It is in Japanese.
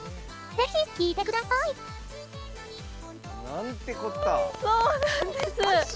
ぜひ聴いてください。